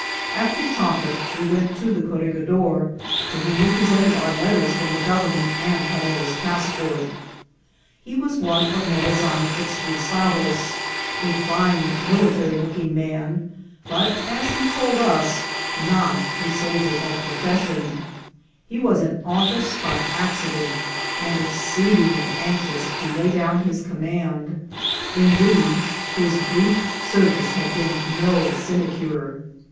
After chocolate we went to the corregidor, to whom we presented our letters from the government and Car rera's passport. He was one of Morazan's expulsados, a fine, military looking man, but, as he told us, not a soldier by profession ; he was in office by accident, and exceedingly anxious to lay down his command ; in < deed, his brief service had been no sinecure.